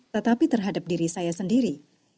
tetapi terhadap diri saya sendiri